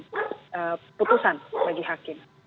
keputusan bagi hakim